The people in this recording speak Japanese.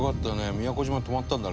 宮古島泊まったんだ